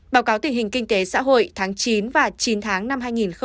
báo cáo tình hình kinh tế xã hội tháng chín và chín tháng năm hai nghìn một mươi chín